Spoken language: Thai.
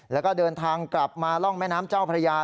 แล้วก็เดินทางกลับมาร่องแม่น้ำเจ้าพระยา